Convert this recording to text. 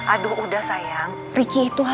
aduh udah sayang ricky itu